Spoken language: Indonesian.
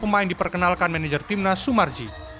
dua puluh pemain diperkenalkan manajer timnas sumarji